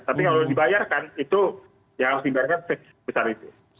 tapi kalau dibayarkan itu yang sebesar itu